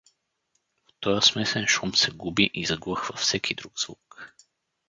В тоя смесен шум се губи и заглъхва всеки друг звук.